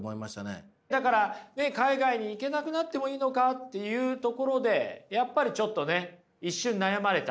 だから海外に行けなくなってもいいのかっていうところでやっぱりちょっとね一瞬悩まれた。